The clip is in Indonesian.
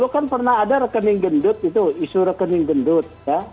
kan pernah ada rekening gendut itu isu rekening gendut